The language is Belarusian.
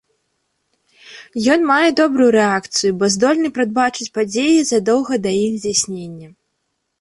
Ён мае добрую рэакцыю, бо здольны прадбачыць падзеі задоўга да іх здзяйснення.